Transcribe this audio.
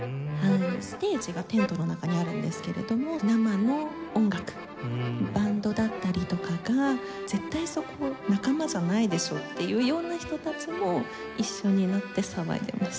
ステージがテントの中にあるんですけれども生の音楽バンドだったりとかが絶対そこ仲間じゃないでしょっていうような人たちも一緒になって騒いでました。